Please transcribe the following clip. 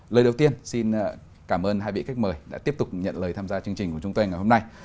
lời đầu tiên xin cảm ơn hai vị khách mời đã tiếp tục nhận lời tham gia chương trình của chúng tôi ngày hôm nay